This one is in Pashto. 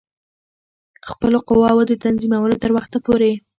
خپلو قواوو د تنظیمولو تر وخته پوري.